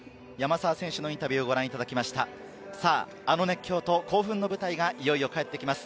あの熱狂と興奮の舞台がいよいよ帰ってきます。